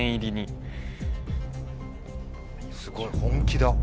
すごい本気だ。